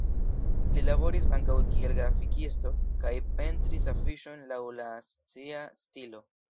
Li laboris ankaŭ kiel grafikisto kaj pentris afiŝojn laŭ la secesia stilo.